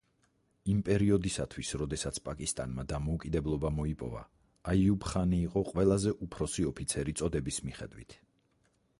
იმ პერიოდისათვის, როდესაც პაკისტანმა დამოუკიდებლობა მოიპოვა აიუბ-ხანი იყო ყველაზე უფროსი ოფიცერი წოდების მიხედვით.